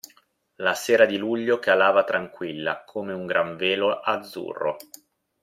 La sera di luglio calava tranquilla come un gran velo azzurro.